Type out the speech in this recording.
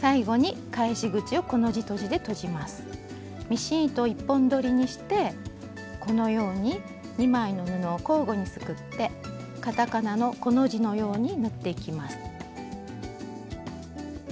ミシン糸を１本どりにしてこのように２枚の布を交互にすくってカタカナのコの字のように縫っていきます。